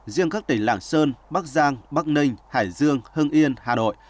riêng các tỉnh lạng sơn bắc giang bắc ninh hải dương hưng yên hà nội